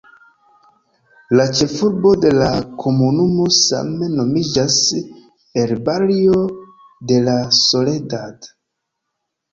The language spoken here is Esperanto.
La ĉefurbo de la komunumo same nomiĝas "El Barrio de la Soledad".